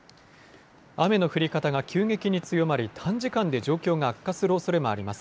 雨の降り方が急激に強まり短時間で状況が悪化するおそれもあります。